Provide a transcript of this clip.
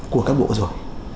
của các bộ rồi